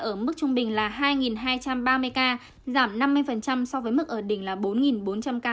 ở mức trung bình là hai hai trăm ba mươi ca giảm năm mươi so với mức ở đỉnh là bốn bốn trăm linh ca